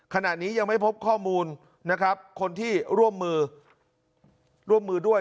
ขณะนี้ยังไม่พบข้อมูลคนที่ร่วมมือด้วย